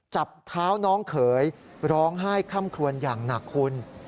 จับเท้าน้องเขยร้องไห้ค่ำคลวนอย่างหนักคุณ